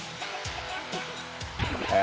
え